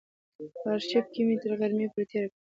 په آرشیف کې مې تر غرمې پورې تېره کړه.